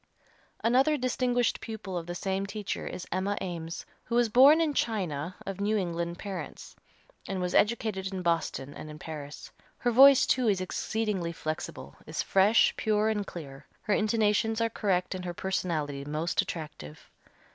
Another distinguished pupil of the same teacher is Emma Eames, who was born in China of New England parents, and was educated in Boston and in Paris. Her voice too is exceedingly flexible, is fresh, pure and clear, her intonations are correct and her personality most attractive.